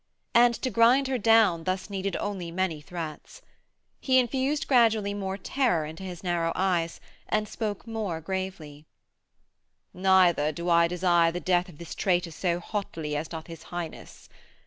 And to grind her down thus needed only many threats. He infused gradually more terror into his narrow eyes, and spoke more gravely: 'Neither do I desire the death of this traitor so hotly as doth his Highness.